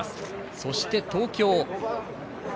そして東京。